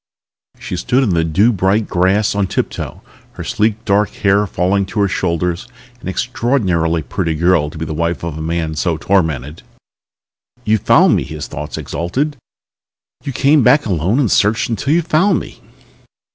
She stood in the dew bright grass on tiptoe, her sleek dark hair falling to her shoulders, an extraordinarily pretty girl to be the wife of a man so tormented. "You found me!" his thoughts exulted. "You came back alone and searched until you found me!"